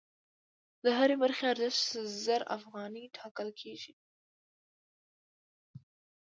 د هرې برخې ارزښت زر افغانۍ ټاکل کېږي